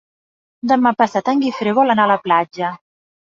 Demà passat en Guifré vol anar a la platja.